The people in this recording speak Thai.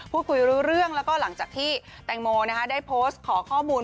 พูดคุยรู้เรื่องแล้วก็หลังจากที่แตงโมได้โพสต์ขอข้อมูล